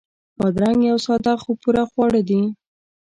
بادرنګ یو ساده خو پوره خواړه دي.